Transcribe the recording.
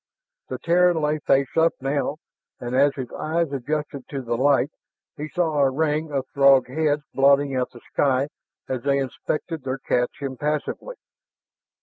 The Terran lay face up now, and as his eyes adjusted to the light, he saw a ring of Throg heads blotting out the sky as they inspected their catch impassively.